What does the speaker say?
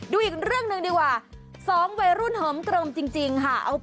ดูอีกเรื่องหนึ่งดีกว่าสองวัยรุ่นเหิมเกลิมจริงค่ะ